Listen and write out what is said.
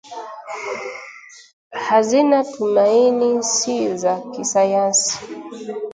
hazina tumaini si za kisayansi